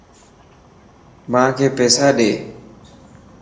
مانک پيسا ڏي